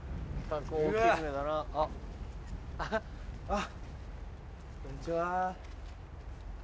あっこんにちは。